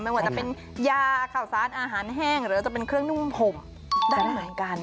ไม่ว่าจะเป็นยาข่าวสารอาหารแห้งหรือจะเป็นเครื่องนุ่มผมได้เหมือนกัน